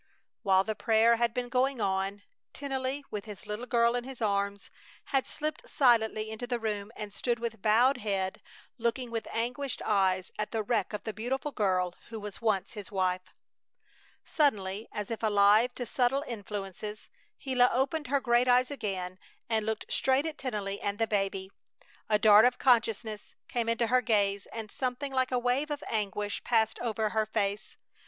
While the prayer had been going on, Tennelly, with his little girl in his arms, had slipped silently into the room and stood with bowed head looking with anguished eyes at the wreck of the beautiful girl who was once his wife. Suddenly, as if alive to subtle influences, Gila opened her great eyes again and looked straight at Tennelly and the baby! A dart of consciousness came into her gaze and something like a wave of anguish passed over her face.